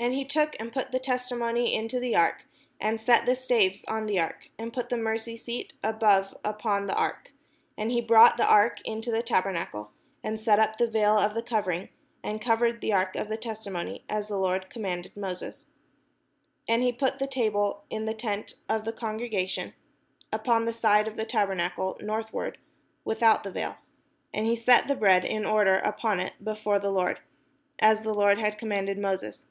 And he took and put the testimony into the ark, and set the staves on the ark, and put the mercy seat above upon the ark: and he brought the ark into the tabernacle, and set up the vail of the covering, and cov ered the ark of the testimony; as the Lord commanded Moses, And he put the table in the tent of the congre 543 PALESTINE gation, upon the side of the tabernacle northward, with out the vail. And he set the bread in order upon it be fore the Lord ; as the Lord had commanded Moses.